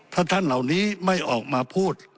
ถ้าท่านเหล่านี้ไม่ออกมาพูด